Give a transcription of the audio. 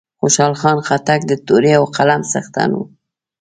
خوشحال خان خټک د تورې او قلم څښتن وو